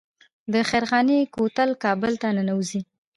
د خیرخانې کوتل کابل ته ننوځي